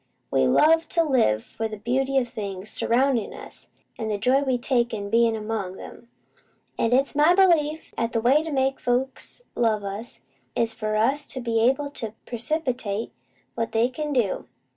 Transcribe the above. We love to live for the beauty o' the things surroundin' us, an' the joy we take in bein' among 'em. An' it's my belief 'at the way to make folks love us, is for us to be able to 'preciate what they can do.